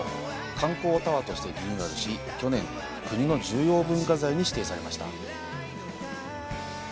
観光タワーとしてリニューアルし去年、国の重要文化財に指定されました。